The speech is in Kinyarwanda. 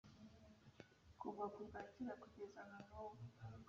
kuva kubwacyera kugeza nanubu